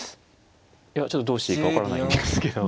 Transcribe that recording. いやちょっとどうしていいか分からないんですけど。